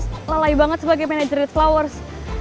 keliatannya tuh gue lelahi banget sebagai manager di flowers